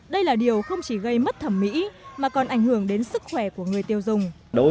đây là điều không chỉ gây mất thẩm mỹ mà còn ảnh hưởng đến sức khỏe của người tiêu dùng